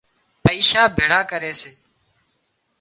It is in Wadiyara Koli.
پئيشا ڀيۯا ڪري سي